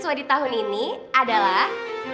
sesuai di tahun ini adalah